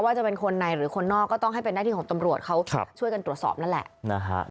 ว่าจะเป็นคนในหรือคนนอกก็ต้องให้เป็นหน้าที่ของตำรวจเขาช่วยกันตรวจสอบนั่นแหละนะฮะ